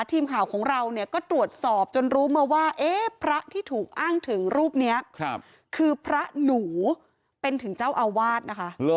ทีมข่าวของเราเนี่ยก็ตรวจสอบจนรู้มาว่าเอ๊ะพระที่ถูกอ้างถึงรูปนี้คือพระหนูเป็นถึงเจ้าอาวาสนะคะ